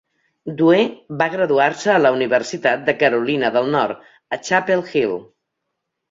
Dhue va graduar-se a la Universitat de Carolina del Nord, a Chapel Hill.